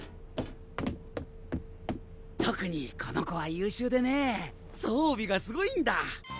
特にこの子は優秀でねえ装備がすごいんだ！